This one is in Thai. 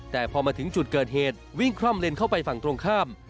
แต่พอมาถึงจุดเกิดเหตุวิ่งคร่อมเลนเข้าไปฝั่งตรงข้าม